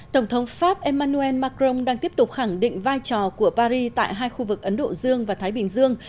tổng thống pháp emmanuel macron đang tiếp tục khẳng định vai trò của paris tại hai khu vực ấn độ dương và thái bình dương